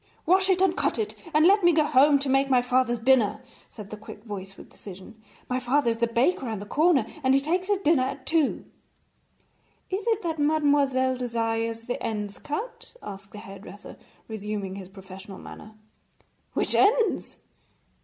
'Wash it, and cut it, and let me go home to make my father's dinner,' said the quick voice with decision. 'My father is the baker round the corner, and he takes his dinner at two.' 'Is it that mademoiselle desires the ends cut?' asked the hairdresser, resuming his professional manner. 'Which ends?'